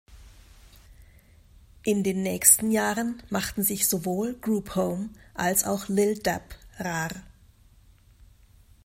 In den nächsten Jahren machten sich sowohl Group Home als auch Lil’ Dap rar.